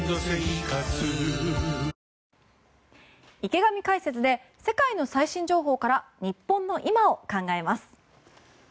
池上解説で世界の最新情報から日本の今を考えます。